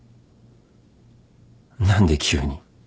何で急に。